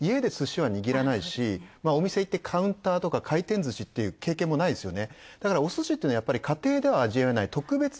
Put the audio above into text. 家で寿司は握らないし、お店行ってカウンターとか回転ずしっていう経験もないですよね。